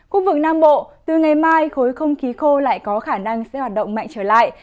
khu vực nam bộ từ ngày mai khối không khí khô lại có khả năng sẽ hoạt động mạnh trở lại